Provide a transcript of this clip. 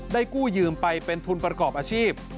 กู้ยืมไปเป็นทุนประกอบอาชีพ